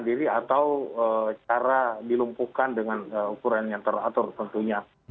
jadi atau cara dilumpuhkan dengan ukuran yang teratur tentunya